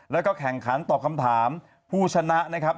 แล้วก็แข่งขันตอบคำถามผู้ชนะนะครับ